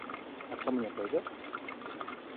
А ко мне пойдет?